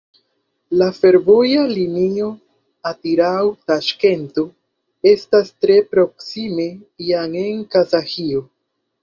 La fervoja linio Atirau-Taŝkento estas tre proksime jam en Kazaĥio.